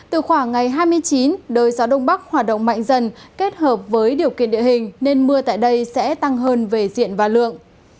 từ khoảng ngày hai mươi chín đới gió đông bắc hoạt động mạnh dần kết hợp với điều kiện địa hình nên mưa tại đây sẽ tăng hơn về diện và lượng